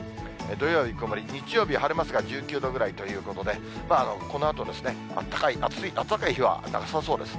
土曜日は曇り、日曜日は晴れますが、１９度ぐらいということで、このあと、あったかい日はなさそうです。